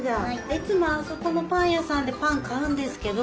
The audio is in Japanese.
いつもあそこのパン屋さんでパン買うんですけど。